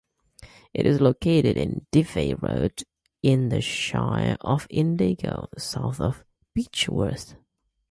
It is located on Diffey Road in the Shire of Indigo, south of Beechworth.